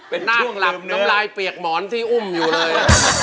เป็นหน้างเหลืองหลับสับระหลายเปรียบหมอนที่อุ่มอยู่เลย